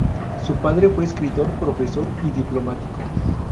Su padre fue escritor, profesor y diplomático.